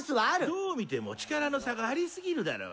どう見ても力の差がありすぎるだろう。